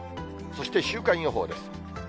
そして週間予報です。